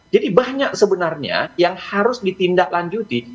jadi banyak sebenarnya yang harus ditindaklanjuti